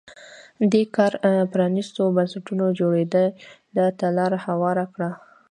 دې کار پرانیستو بنسټونو جوړېدا ته لار هواره کړه.